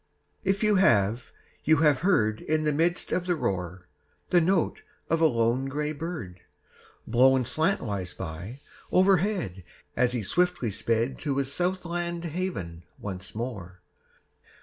If you have, you have heard In the midst of the roar, The note of a lone gray bird, Blown slantwise by overhead As he swiftly sped To his south land haven once more